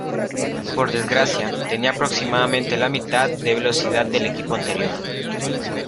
Por desgracia, tenía aproximadamente la mitad de velocidad del equipo anterior.